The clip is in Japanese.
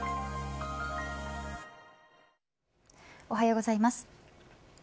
おはようございます。